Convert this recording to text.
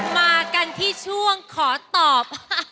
มากันที่ช่วงขอตอบ